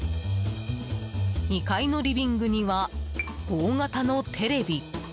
２階のリビングには大型のテレビ。